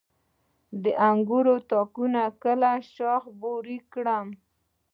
د انګورو تاکونه کله شاخه بري کړم؟